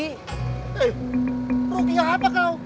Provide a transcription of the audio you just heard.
eh rugi apa kau